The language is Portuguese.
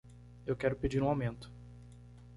Eu quero pedir um aumento.